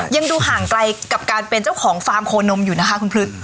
ยังดูห่างไกลกับการเป็นเจ้าของฟาร์มโคนมอยู่นะคะคุณพลึก